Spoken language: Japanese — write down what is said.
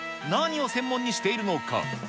何を専門にしているのか。